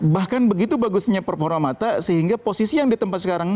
bahkan begitu bagusnya permohonan mata sehingga posisi yang ditempat sekarang